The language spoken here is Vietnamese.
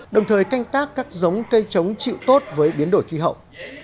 đồng thời canh tác các giống cây chống chịu tốt với biến đổi khí hậu